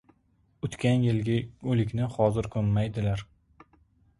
• O‘tgan yilgi o‘likni hozir ko‘mmaydilar.